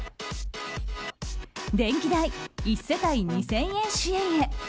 電気代、１世帯２０００円支援へ。